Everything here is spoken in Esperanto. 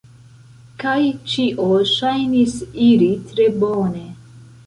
Kaj ĉio ŝajnis iri tre bone.